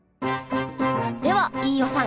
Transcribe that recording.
では飯尾さん